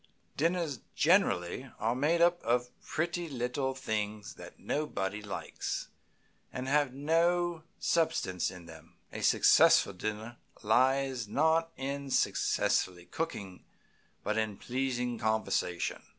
Dinners generally are made up of pretty little things that nobody likes, and have no sustenance in them. A successful dinner lies not in successful cooking, but in pleasing conversation.